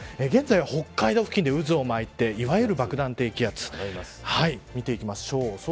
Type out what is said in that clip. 現在は北海道付近で渦を巻いて、いわゆる爆弾低気圧見ていきましょう。